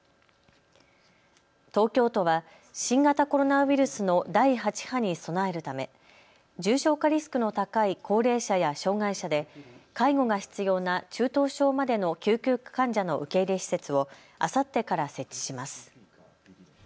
東京都は新型コロナウイルスの第８波に備えるため、重症化リスクの高い高齢者や障害者で介護が必要な中等症までの救急患者の受け入れ施設をあさってから設置します。